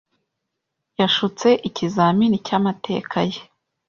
yashutse ikizamini cyamateka ye.